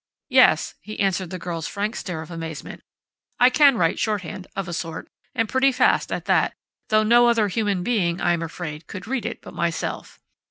"Yes," he answered the girl's frank stare of amazement, "I can write shorthand of a sort, and pretty fast, at that, though no other human being, I am afraid, could read it but myself....